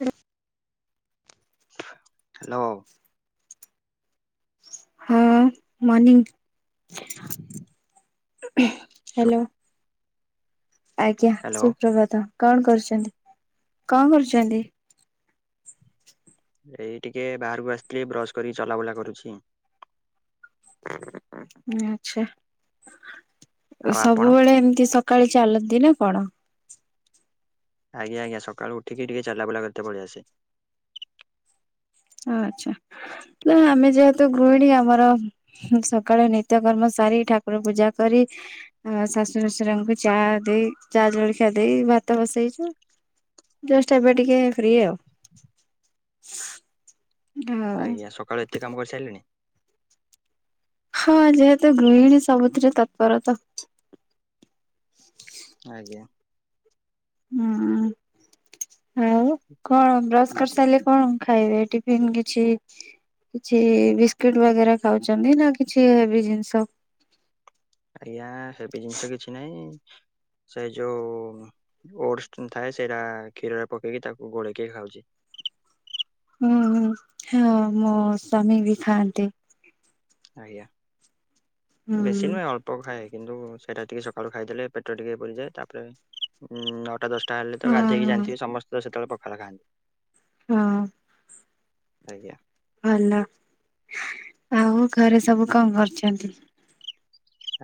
ଉଁ ହାଲୋ। ହ morning. [inaudible] Hello, ଆଜ୍ଞା ହ୍ୟାଲୋ ସୁପ୍ରଭାତ। କଣ କରୁଛନ୍ତି, କଁ କରୁଛନ୍ତି? ଏଇ ଟିକେ ବାହାରକୁ ଆସିଥିଲି ବ୍ରଶ କରିିକି ଚଲାବୁଲା କରୁଛି। ଆଛା ଆଉ ଆପଣ? ସବୁବେଳେ ଏମିତି ସ ସକାଳେ ଚାଲନ୍ତି ନା କଣ? ଆଜ୍ଞା ଆଜ୍ଞା ସକାଳୁ ଉଠିକିି ଟିକେ ଚାଲା ବୁଲା କରିତେ ପଳିଆସେ। ଆଚ୍ଛା, ହେ ଆମେ ଯେହେତୁ ଗୃହିଣୀ ଆମର ସକାଳେ ନିତ୍ୟକର୍ମ ସାରି, ଠାକୁର ପୂଜା କରି ଆଉ ଶାଶୁର ଶଶୁରଙ୍କୁ ଚା ଦେଇ ଚା ଜଳଖିଆ ଦେଇ ଭାତ ବସେଇଛୁ। ଜଷ୍ଟ ଏବେ ଟିକେ ଫ୍ରି ଆଉ। ଆଉ ଆଜ୍ଞା, ସକାଳୁ ଏତେ କାମ କରିସାରିଲେଣି। ହଁ ଯେହେତୁ ଗୃହିଣୀ ସବୁଥିରେ ତତ୍ପର ତ। ଆଜ୍ଞା। ହୁଁ ଆଉ କଣ ବ୍ରସ୍ ଆ- କରିସାରିଲେ କଣ ଖାଇବେ ଟିଫିନ୍ କିଛି? କିଛି ବିସ୍କୁଟ ବଗେରା ଖାଉଛନ୍ତି ନା କିଛି ହେବି ଜିନିଷ? ଆଜ୍ଞା ହେବି ଜିନିଷ କିଛି ନାଇଁ ସେ ଯୋଉ ଓଟସ ଥାଏ ସେଇରା କ୍ଷୀରରେ ପକେଇକି ତାକୁ ଗୋଳେଇକି ଖାଉଛି। ହୁଁ ହୁଁ ହଁ ମୋ ସ୍ଵାମୀ ବି ଖାଆନ୍ତି। ଆଜ୍ଞା, ହୁଁ। ବେଶି ନୁହେ ଅଳ୍ପ ପ ଖାଏ କିନ୍ତୁ ସେଇଟା ଟିକେ ସକାଳୁ ଖାଇଦେଲେ ପେଟରେ ଟିକେ ପୁରିଯାଏ ତାପରେ ନଅଟା ଦଶ ଟା ହେଲେ ତ ହଁ ଗାଧେଇକି ହଁ। ଯାନ୍ଥିବେ ସମସ୍ତେ ସେତେବେଳେ ପଖାଳ ଖାନ୍ତି। ହଁ। ଆଜ୍ଞା। ଭଲ ଆଉ ଘରେ ସବୁ କଁ କରୁଚନ୍ତି।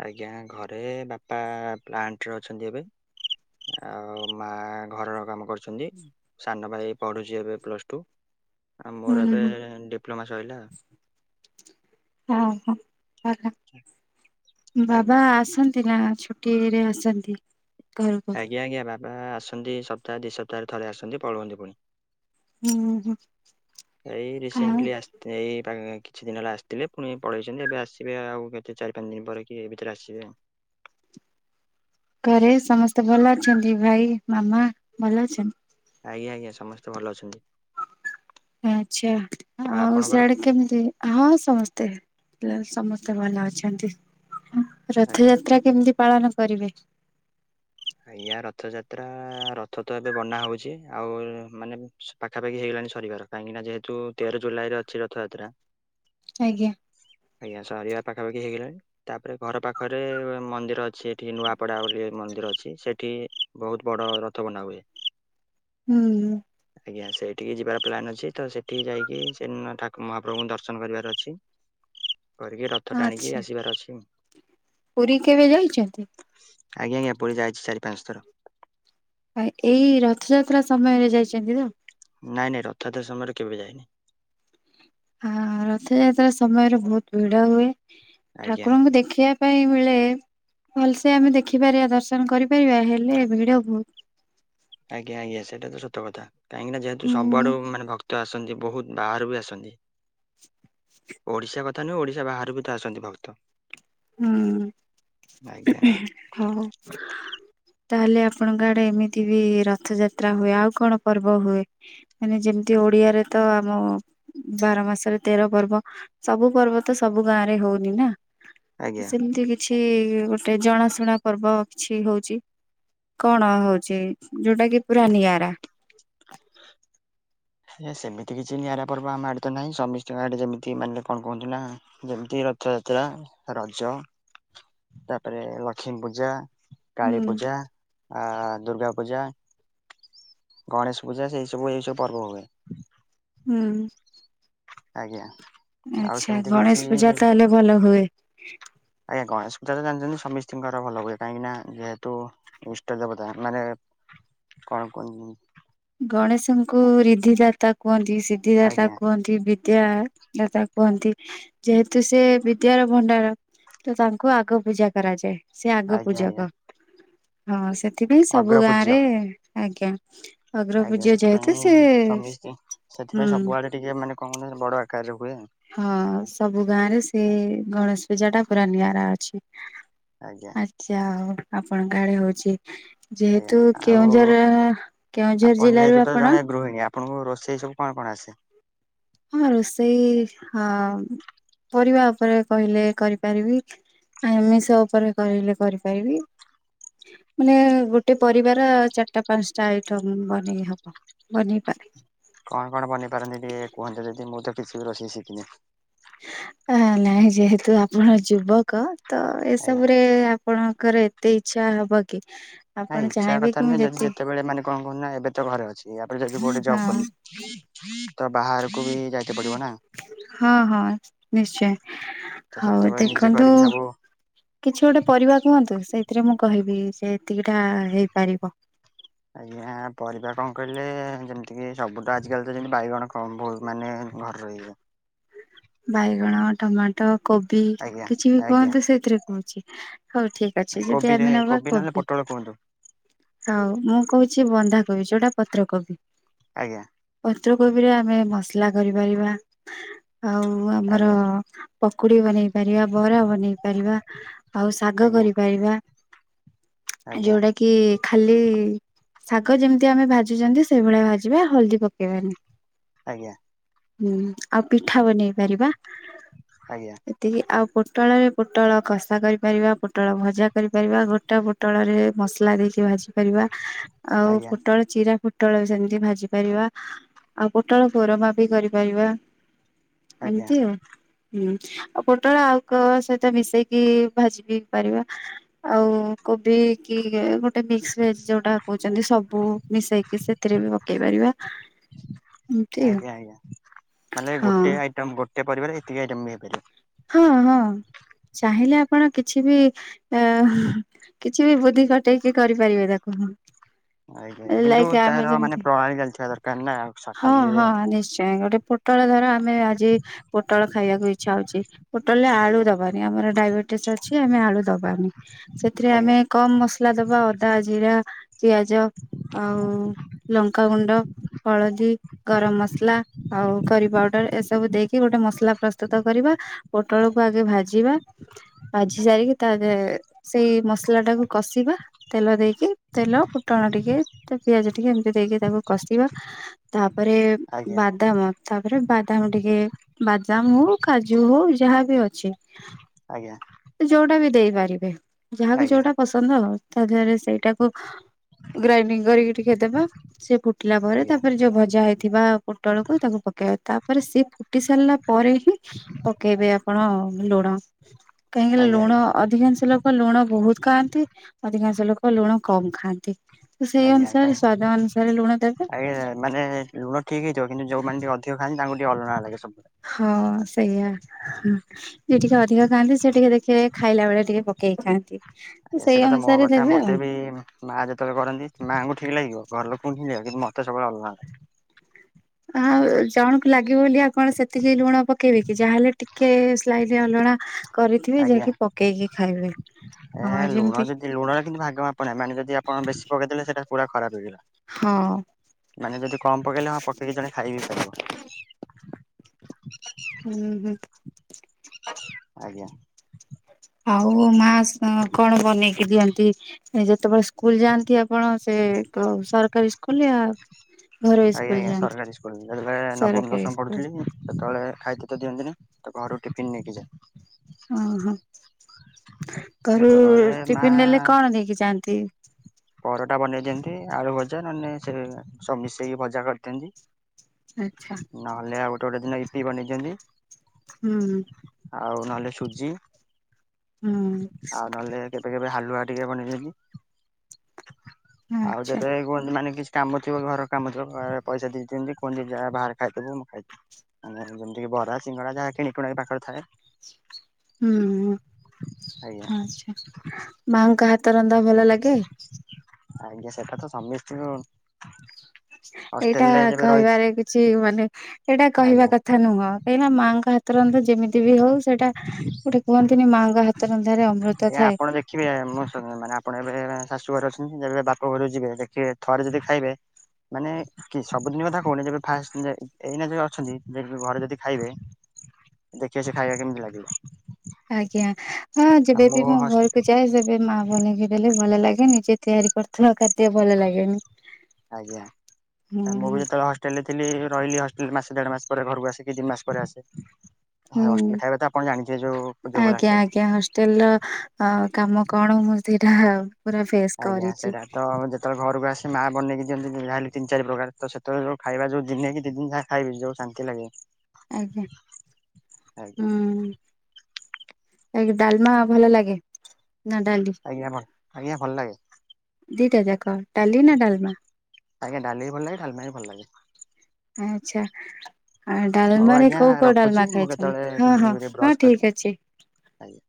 ଆଜ୍ଞା ଘରେ ବାପା ପ୍ଲାଣ୍ଟରେ ଅଛନ୍ତି ଏବେ। ଆଉ ମା ଘରର କାମ କରୁଛନ୍ତି। ସାନ ଭାଇ ପଢୁଚି ଏବେ ପ୍ଲସ ଟୁ ଆଉ ହୁଁ ମୋରୋ ଏବେ ହୁଁ ଡିପ୍ଲମା ସଇଲା। [unintelligible] ଭଲ ଆଜ୍ଞା। ବାବା ଆସନ୍ତି ନା ଛୁଟିରେ ଆସନ୍ତି। ଘରକୁ? ଆଜ୍ଞା ଆଜ୍ଞା ବାବା ଆସନ୍ତି ସପ୍ତାହ ଦି ସପ୍ତାହରେ ଥରେ ଆସନ୍ତି ପଳୁଅନ୍ତି ପୁଣି। ହୁଁ ହୁଁ ଏଇ ଆଉ ରିସେଣ୍ଟଲି ଆସ [unintelligible] କିଛି ଦିନ ହେଲା ଆସିଥିଲେ ପୁଣି ପଳେଇଛନ୍ତି ଏବେ ଆସିବେ ଆଉ କେତେ ଚାରି ପାଞ୍ଚ ଦିନ ପରେ କି ଏଇ ଭିତରେ ଆସିବେ। ଘରେ ସମସ୍ତେ ଭଲ ଅଛନ୍ତି ଭାଇ ମାମା ଭଲ ଅଛନ୍ ଆଜ୍ଞା ଆଜ୍ଞା ସମସ୍ତେ ଭଲ ଅଛନ୍ତି। ଆଛା ଆଉ ସେଆଡେ କେମିତି ହଁ ସମସ୍ତେ [unintelligible] ସମସ୍ତେ ଭଲ ଅଛନ୍ତି ଆଜ୍ଞା। ରଥଯାତ୍ରା କେମିତି ପାଳନ କରିବେ। ଆଜ୍ଞା ରଥଯାତ୍ରା ରଥ ତ ଏବେ ବନା ହୋଉଛି ଆଉ ମାନେ ପାଖାପାଖି ହେଇଗଲାଣି ସରିବାର କାହିଁକି ନା ଯେହେତୁ ତେର ଜୁଲାଇରେ ଅଛି ରଥଯାତ୍ରା। ଆଜ୍ଞା। ଆଜ୍ଞା ସରିବା ପାଖାପାଖି ହେଇଗଲାଣି। ତାପରେ ଘର ପାଖରେ ମନ୍ଦିର ଅଛି ଏଠି ନୂଆପଡା ବୋଲି ମନ୍ଦିର ଅ ସେଠି ବୋହୁତ ବଡ ରଥ ବନା ହୁଏ। ହୁଁ ହୁଁ। ଆଜ୍ଞା ସେଇଠିକି ଯିବାର ପ୍ଲନ୍ ଅଛି ତ ସେଠିକି ଯାଇକି ସେ ନା ଠାକୁ ମହାପ୍ରଭୁଙ୍କୁ ଦର୍ଶନ କରିବାର ଅଛି। କରିକି ରଥ ଟାଣିକି ଆଚ୍ଛା ଆସିବାର ଅଛି। ପୁରୀ କେବେ ଯାଇଚନ୍ତି। ଆଜ୍ଞା ଆଜ୍ଞା ପୁରୀ ଯାଇଛି ଚାରି ପାନ୍ସ ଥର। ଆ ଏଇ ରଥଯାତ୍ରା ସମୟରେ ଯାଇଚନ୍ତି ତ। ନାଇଁ ନାଇଁ ରଥଯାତ୍ରା ସମୟରେ କେବେ ଯାଇନି। ଆଃ ରଥଯାତ୍ରା ସମୟରେ ବୋହୁତ ଭିଡ ହୁଏ ଆଜ୍ଞା। ଠାକୁରଙ୍କୁ ଦେଖିବା ପାଇଁ ମିଳେ ଭଲସେ ଆମେ ଦେଖିପାରିବା ଦର୍ଶନ କରିପାରିବା ହେଲେ ଭିଡ ବୋହୁତ ଆଜ୍ଞା ଆଜ୍ଞା ସେଟା ତ ସତ କଥା କାହିଁକିନା ଯେହେତୁ ହୁଁ ସବୁ ଆଡୁ ମାନେ ଭ କ୍ତ ଆସନ୍ତି ବୋହୁତ ବାହାରୁ ବି ଆସନ୍ତି ଓଡିଶା [unintelligible] [unintelligible] ଓଡିଶା ବାହାରୁବି ତ ଆସନ୍ତି ଭକ୍ତ। ହୁଁ ଆଜ୍ଞା ହଉ। [inaudible] ତାହେଲେ ଆପଣଙ୍କ ଆଡେ ଏମିତି ବି ରଥଯାତ୍ରା ହୁଏ ଆଉ କଣ ପର୍ବ ହୁଏ। ମାନେ ଯେମିତି ଓଡିଆରେ ତ ଆମ ବାର ମାସରେ ତେର ପର୍ବ। ସବୁ ପର୍ବ ତ ସବୁ ଗାଁରେ ହୋଉନି ନା। ଆଜ୍ଞା। ସେମିତି କିଛି ଗୋଟେ ଜଣାଶୁଣା ପର୍ବ କିଛି ହୋଉଚି। କଣ ହୋଉଛି ଯୋଉଡ଼ା କି ପୁରା ନିଆରା। [inaudible] [unintelligible] ସେମିତି କିଛି ନିଆରା ପର୍ବ ଆମ ଆଡେ ତ ନାଇଁ ସମିସ୍ତିଙ୍କ ଆଡେ ଯେମିତି ମାନେ କଣ କୁହନ୍ତୁ ନା ଯେମିତି ରଥଯାତ୍ରା ରଜ। ତାପରେ ଲକ୍ଷ୍ମୀ ପୂଜା ହୁଁ କାଳୀ ପୂଜା ଆଁ ଦୁର୍ଗା ପୂଜା। ଗଣେଶ ପୂଜା ସେଇ ସବୁ ଏଇ ସବୁ ପର୍ବ ହୁଏ। ହୁଁ। ଆଜ୍ଞା। ଆଉ ଆଚ୍ଛା ସେମିତି କିଛି ଗଣେଶ ପୂଜା ତାହେଲେ ଭଲ ହୁଏ। ଆଜ୍ଞା ଗଣେଶ ପୂଜା ତ ଜାଣିଚନ୍ତି ସମିସ୍ତିଙ୍କ ଆଡେ ଭଲ ହୁଏ କାହିଁକି ନା ଯେହେତୁ ଇଷ୍ଟ ଦେବତା ମାନେ କଣ କୁହ। [unintelligible] ଗଣେଶଙ୍କୁ ରିଧିଦାତା କୁହନ୍ତି ସିଦ୍ଧିଦାତା ଆଜ୍ଞା କୁହନ୍ତି। କି ବିଦ୍ୟାଦାତା କୁହନ୍ତି। ଯେହେତୁସେ ବିଦ୍ୟାର ଭଣ୍ଡାର ତତାଙ୍କୁ ଆଗ ପୂଜା କରାଯାଏ। ସେ ଆଗ ଆଜ୍ଞା ପୂଜା ଆଜ୍ଞା ପା ହଁ ସେଥିପାଇଁ ଅଗ୍ର ସବୁ ପୂଜ୍ୟ ଗାଁରେ ଆଜ୍ଞା। ଅଗ୍ର ଆଜ୍ଞା ପୂଜ୍ୟ ଯେହେତୁ ସେଥିପାଇଁ ସେ ସମସ୍ତି ହୁଁ ସେଥିପାଇଁ ସବୁଆଡ଼େ ଟିକେ ମାନେ କଣ ବଡ଼ ଆକାରରେ ହୁଏ। ହଁ ସବୁ ଗାଁରେ ସେ ଗଣେଶ ପୂଜାଟା ପୁରା ନିଆରା ଅଛି। ଆଜ୍ଞା। ଯାହୋଉ ଆପଣଙ୍କ ଆଡ଼େ ହଉଚି। ଆଜ୍ଞା ଯେହେତୁ ଆଉ କେଉଁଝର କେଉଁଝର ଆପଣ ଯେହେତୁ ଜିଲ୍ଲାରୁ ତ ଆପଣ ଜଣେ ଗୃହିଣୀ ଆପଣଙ୍କୁ ରୋଷେଇ ସବୁ କଣ କଣ ଆସେ? ହଁ ରୋଷେଇ ହଁ ପରିବା ଉପରେ କହିଲେ କରିପାରିବି। ଆମିଷ ଉପରେ କହିଲେ କରିପାରିବି। ମାନେ ଗୋଟେ ପରିବାର ଚାରିଟା ପାଞ୍ଚଟା ଆଇଟମ୍ ବନେଇ ହବ। ବନେଇପାରେ। କଣ କଣ ବନେଇ ପାରନ୍ତି ଟିକେ କୁହନ୍ତେ ଯଦି ମୁଁତ କିଛିବି ରୋଷେଇ ଶିଖିନି‌। ଅ ହଁ ନାଇଁ ଯେହେତୁ ଆପଣ ଯୁବକ ଆଜ୍ଞା। ତଏସବୁରେ ଆ ଆପଣଙ୍କର ଏତେ ଇଚ୍ଛା ହବକି? ନାଇଁ ଇଚ୍ଛା କଥା ନୁହେ ଯଦି ଯେତେବେଳେ ମାନେ କଣ କହୁନ୍ତିନା ଏବେତ ଘରେ ଅଛି ୟାପରେ ଯଦି କୋଉଠି ଜବ୍ ହଁ କଲି ତ ବାହାରକୁବି ଯାଇତେ ପଡ଼ିବନା। ହଁ ହଁ ନିଶ୍ଚୟ ତ ହୋଉ ସେତେବେଳେ ନିଜେ ଦେଖନ୍ତୁ। କରିକି ସବୁ କିଛି ଗୋଟେ ପରିବା କୁହନ୍ତୁ ସେଇଥିରେ ମୁଁ କହିବି ସେ ଏତିକିଟା ହେଇପାରିବ। ଆଜ୍ଞା ପରିବା କଣ କହିଲେ ଯେମିତିକି ସବୁତ ଆଜିକାଲିତ ଯେମିତି ବାଇଗଣ କମ୍ବୁଲ୍ ମାନେ ଘରେ ରହିବେ। ବାଇଗଣ, ଟମାଟୋ, କୋବି, ଆଜ୍ଞା କିଛିବି ଆଜ୍ଞା କୁହନ୍ତୁ ସେଥିରେ କହୁଚି। ହଉ ଠିକ୍ ଅଛି ଯଦି କୋବିରେ ଆମେ ନେବା ନହେଲେ କୋବି ପୋଟଳ କୁହନ୍ତୁ ହଉ ମୁଁ କହୁଚି ବନ୍ଧାକୋବି ଯୋଉଟା ପତ୍ରକୋବି ଆଜ୍ଞା। ପତ୍ରକୋବିରେ ଆମେ ମସଲା କରିପାରିବା ଆଉ ଆମର ଆଜ୍ଞା ପକୁଡ଼ି ବନେଇ ପାରିବା ବରା ବନେଇ ପାରିବା ଆଉ ଶାଗ ଆଜ୍ଞା କରିପାରିବା ଆଜ୍ଞା ଯୋଉଟାକି ଖାଲି ଶାଗ ଯେମିତି ଆମେ ଭାଜୁଚନ୍ତି ସେଇଭଳିଆ ଭାଜିବା ହଳଦୀ ପକେଇବାନି ଆଜ୍ଞା। ହୁଁ ଆଉ ପିଠା ବନେଇ ପାରିବା ଆଜ୍ଞା। ଏତିକି ଆଉ ପୋଟଳରେ ପୋଟଳ କଷା କରିପାରିବା ପୋଟଳ ଭଜା କରିପାରିବା ଗୋଟା ପୁ ପୋଟଳରେ ମସଲା ଦେଇକି ଭାଜି ପାରିବା ଆଉ ଆଜ୍ଞା ପୋଟଳ ଚିରା ପୋଟଳବି ସେମିତି ଭାଜି ପାରିବା ଆଉ ପୋଟଳ କୋରମାବି କରିପାରିବା। ଆଜ୍ଞା ଏମିତି ଆଉ। ହୁଁ ଆଉ ପୋଟଳ ଆଉ କାହା ସହିତ ମିଶେଇକି ଭାଜିବିି ପାରିବା। ଆଉ କୋବିକି ଗୋ ଗୋଟେ ମିକ୍ସ ଭେଜ୍ ଯୋଉଟା କହୁଛନ୍ତି ସବୁ ମିଶେଇକି ସେଥିରେବି ପକେଇ ପାରିବା। ଏମିତି ଆଜ୍ଞା ଆଉ। ଆଜ୍ଞା ମାନେ ଗୋଟେ ଆଇଟମ୍ ଗୋଟେ ପରିବାରେ ଏତିକି ଆଇଟମ୍ ବି ହେଇପାରିବ? ହଁ ହଁ ଚାହିଁଲେ ଆପଣ କିଛିବି ଅଁ କିଛିବି ବୁଦ୍ଧି ଖଟେଇକି କରିପାରିବେ ତାକୁ। ଆଜ୍ଞା କିନ୍ତୁ ଲାଇକ ଆମେ ତାର ମାନେ ଯେମିତି ପ୍ରଣାଳୀ ଜାଣିଥିବା ଦରକାର ନା ହଁ, ଖାଲିରେ ହଁ, ନିଶ୍ଚୟ ଗୋଟେ ପୁ ପୋଟଳ ଧର ଆମେ ଆଜି ପୋଟଳ ଖାଇବାକୁ ଇଚ୍ଛା ହଉଛି ପୋଟଳରେ ଆଳୁ ଆଜ୍ଞା ଦବ ଦବାନି ଆମର ଡାଇବେଟିସ୍ ଅଛି ଆମେ ଆଳୁ ଦବାନି ସେଥିରେ ଆଜ୍ଞା। ଆମେ କମ ମସଲା ଦବା ଅଦା, ଜିରା, ପିଆଜ ଆଉ ଲଙ୍କାଗୁଣ୍ଡ। ହଳଦୀ। ଗରମ ମସଲା ଆଉ କରି ପାଉଡର ଏସବୁ ଦେଇକି ଗୋଟେ ମସଲା ପ୍ରସ୍ତୁତ କରିବା। ପୋଟଳକୁ ଆଗେ ଭାଜିବା। ଭାଜି ସାରିକି ତା ଦେହେ ସେଇ ମସଲାଟାକୁ କଷିବା। ତେଲ ଦେଇକି, ତେଲ ଫୁଟଣ ଟିକେ, ପିଆଜ ଟିକେ ଏମିତି ଦେଇକି ତାକୁ କଷିବା। ତାପରେ ଆଜ୍ଞା ବାଦାମ, ତାପରେ ବାଦାମ ଟିକେ, ବାଦାମ ହଉ କାଜୁ ହଉ ଯାହା ବି ଅଛି ଆଜ୍ଞା। ଯୋଉଟା ବି ଦେଇପାରିବେ, ଯାହାକୁ ଆଜ୍ଞା ଯୋଉଟା ପସନ୍ଦ ଆଉ, ତା ଦେହରେ ସେଇଟାକୁ ଗ୍ରାଇଣ୍ଡିଙ୍ଗ୍ କରିକି ଟିକେ ଦେବେ, ସେ ଫୁ ଫୁଟିଲା ପରେ, ଆଜ୍ଞା ତାପରେ ଯୋଉ ଭଜା ହେଇ ଥିବା ପୋଟଳକୁ ତାକୁ ପକେଇବା, ତାପରେ, ସେ ଫୁଟି ସାରିଲା ପରେ ହିଁ ପକେଇବେ ଆପଣ ଲୁଣ, ଆଜ୍ଞା କାହିଁକିନା ଆଜ୍ଞା ଲୁଣ ଅଧିକାଂଶ ଲୋକ୍ ଲୋକ ଲୁଣ ବହୁତ ଖାଆନ୍ତି, ଅଧିକାଂଶ ଲୋକ ଲୁଣ କମ୍ ଖାଆନ୍ତି। ତ ସେଇ ଅନୁସାରେ ସ୍ଵାଦ ଅନୁସାରେ ଲୁଣ ଦେବେ। ଏ-ଏ-ଏ ମାନେ-ଏ-ଏ ଲୁଣ ଠିକ୍ ହେଇଥିବ, କିନ୍ତୁ ଯୋଉମାନେ ଟିକେ ଅଧିକ ଖାଆନ୍ତି, ତାଙ୍କୁ ଟିକେ ଅଲଣା ଲାଗେ ସବୁବେଳେ। ହଁ, ସେଇଆ ହୁଁ। ଯିଏ ଟିକେ ଅଧିକ ଖାଆନ୍ତି, ସେ ଟିକେ ଦେଖିବେ ଖାଇଲା ବେଳେ ଟିକେ ପକେଇକି ଖାଆନ୍ତି। ସେଇ ସେଟା ତ ମୋ ଅନୁସାରେ କଥା ଦେବେ ଆଉ। ମତେ ବି ମାଆ ଯେତେବେଳେ କରନ୍ତି, ମାଆଙ୍କୁ ଠିକ୍ ଲାଗିବ, ଘର ଲୋକଙ୍କୁ ଠିକ୍ ଲାଗିବ, କିନ୍ତୁ ମତେ ସବୁବେଳେ ଅଲଣା। ଆଉ ଜଣକୁ ଲାଗିବ ବୋଲି, ଆଉ କଣ ସେତିକି ଲୁଣ ପକେଇବେ କି? ଯାହାହେଲେ ଟି ଟିକେ ସ୍ଲାଇଟ୍ ଅଲଣା କରିଥିବେ, ଆଜ୍ଞା ଯିଏକି ପକେଇକି ଖାଇବେ। ହଁ ଏ ଲୁଣ ଯେମିତି ଯଦି ଲୁଣର କିନ୍ତୁ ଭାଗ ମାପ ନାହିଁ। ମାନେ, ଯଦି ଆପଣ ବେଶୀ ପକେଇଦେଲେ, ସେଇଟା ପୁରା ଖରାପ ହେଇଗଲା। ହଁ। ମାନେ ଯଦି କମ୍ ପକେଇଲେ, ହଁ ପକେଇକି ଜଣେ ଖାଇ ବିି ପାରିବ। ହୁଁ ହୁଁ। ଆଜ୍ଞା। ଆଉ ମାଆ କଣ ବନେଇକି ଦିଅନ୍ତି? ଏ ଯେତେବେଳେ ସ୍କୁଲ୍ ଯାଆନ୍ତି ଆପଣ ସେ କୋଉ ସରକାରୀ [unintelligible] ଘରୋଇ ଆଜ୍ଞା ସ୍କୁଲ ଆଜ୍ଞା ଯାଆନ୍ତି? ସରକାରୀ ସ୍କୁଲ, ଯେତେବେଳେ ନବମ, ସରକାରୀ ଦଶମ ସ୍କୁଲ ପଢୁଥିଲି ସେତେବେଳେ ଖାଇତେ ତ ଦିଅନ୍ତିନି। ତ ଘରୁ ଟିଫିନ୍ ନେଇକି ଯାଏ। ଓହୋଃ। ଘରୁ ସେତେବେଳେ ମା ଟିଫିନ୍ ନେଲେ, କଣ ନେଇକି ଯାଆନ୍ତି? ପରଟା ବନେଇ ଦିଅନ୍ତି, ଆଳୁ ଭଜା ନହେଲେ ସେ ସବୁ ମିଶେଇକି ଭଜା କରିଦିଅନ୍ତି। ଆଚ୍ଛା। ନହେଲେ, ଆଉ ଗୋଟେ ଗୋଟେ ଦିନ ଇଟି ବନେଇ ଦିଅନ୍ତି। ହୁଁ। ଆଉ ନହେଲେ ସୁଜି, ହୁଁ ଆଉ ନହେଲେ କେବେ କେବେ ହାଲୁଆ ଟିକେ ବନେଇ ଦିଅନ୍ତି। ଆଉ, ଆଚ୍ଛା ଯେତେବେଳେ କୁହନ୍ତି ମାନେ କିଛି କାମ ଥିବ ଘର କାମ ଥିବ, ପଇସା ଦେଇ ଦିଅନ୍ତି କୁହନ୍ତି ଯାଆ, ବାହାରେ ଖାଇଦେବୁ, ମୁଁ ଖାଇଦିଏ। ଆମର ଯେମିତିକି ବରା, ସିଙ୍ଗଡା, ଯାହା କିଣୁ କିଣାକି ପାଖରେ ଥାଏ। ହୁଁ-ଉ-ଉ, ଆଜ୍ଞା ଆଛା। ମାଆଙ୍କ ହାତ ରନ୍ଧା ଭଲ ଲାଗେ? ଆଜ୍ଞା। ସେଟା ତ ସମସ୍ତିଙ୍କୁ ଏଇଟା ରହିଛି କହିବାରେ କିଛି ମାନେ ଏଇଟା ଆଜ୍ଞା କହିବା କଥା ନୁହଁ। କାହିଁକିନା, ମାଆଙ୍କ ହାତ ରନ୍ଧା ଯେମିତି ବି ହଉ, ସେଟା ଗୋଟେ କୁହନ୍ତିନି ମାଆଙ୍କ ହାତ ରନ୍ଧାରେ ଅମୃତ ଆଜ୍ଞା ଥାଏ। ଆପଣ ଦେଖିବେ ମୁଁ ମାନେ ଆପଣ ଏବେ ଶାଶୁ ଘରେ ଅଛନ୍ତି, ଯେବେ ବାପ ଘରକୁ ଯିବେ, ଦେଖିବେ ଥରେ ଯଦି ଖାଇବେ ମାନେ କି ସବୁଦିନ କଥା କହୁନି ଯେବେ ଫାଷ୍ଟ ଯେ ଏଇନା ଯେ ଅଛନ୍ତି ଦେଖିବେ ଘରେ ଯଦି ଖାଇବେ ଦେଖିବେ ସେ ଖାଇବା କେମିତି ଲାଗିବ। ଆଜ୍ଞା, ହଁ ଆଉ ଯେବେବି ମୁଁ ହସ ଘରକୁ ଯାଏ ସେ ଏ ମା ବନେଇକି ଦେଲେ ଭଲ ଲାଗେନି ଯିଏ ତିଆରି କରିଥିବ କେତେ ଭଲ ଲାଗେ। ଆଜ୍ଞା ମୁଁ ବି ଯେତେବେଳେ ଷ୍ଟେଲେ ଥିଲି ରହିଲି ହଷ୍ଟେଲ ମାସେ ଦେଢ ମାସ ପରେ ଘରକୁ ଆସିକି ତିନି ମାସ ପରେ ଆସେ। ହ ହୁଁ ଅଷ୍ଟେଲ ଖାଇବା ତ ଆପଣ ଜାଣିଛିବେ ଯୋଉ ଯୋଉ ଭଳିଆ ଖାଇବା। ତେଲ ଅ କାମ କଣ ମୁଁ ସେଇଟା। ପୁରା ଫେସ୍ ଆଜ୍ଞା କରିଛି ସେଇଟା ତ ଯେ ତ ଘରକୁ ଆସି ମାଆ ବନେଇକି ଦିଅନ୍ତି ଯା ହେଲେ ତିନି ଚାରି ପ୍ରକାର ତ ସେତେ ବେଳର ଖାଇବା ଯଉ ଦିନେ କି ଦି ଦିନ ଯା ଖାଇବି ଯେଉ ଶାନ୍ତି ଲାଗେ। ଆଜ୍ଞା ଆଜ୍ଞା ହୁଁ। ଆଇଗି ଡାଲମା ଭଲ ଲାଗେ ନା ଡାଲି? ଆଜ୍ଞା ଭ ଆଜ୍ଞା ଭଲ ଲାଗେ। ଦିଟା ଯାକ ଡାଲି ନା ଡାଲମା। ଆଜ୍ଞା ଡାଲି ଭି ଭଲ ଲାଗେ ଡାଲମା ବି ଭଲ ଲାଗେ। ଆଚ୍ଛା। ଆ ହଉ ଡାଲମାରେ ଆଜ୍ଞା କୋଉ କୋଉ ରଖୁଛି ଡାଲମା ମୁଁ ଖାଇଛନ୍ତି ହଁ ହଁ କେତେବେଳେ ହଁ ବ୍ରସ୍ କରିବି ଠିକ ଅଛି। ଆଜ୍ଞା।